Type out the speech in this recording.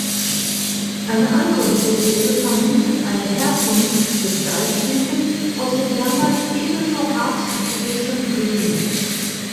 Eine andere Hypothese vermutet eine Herkunft des Geistlichen aus dem damals ebenso habsburgischen Böhmen.